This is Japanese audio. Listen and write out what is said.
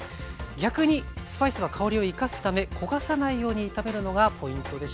逆にスパイスは香りを生かすため焦がさないように炒めるのがポイントでした。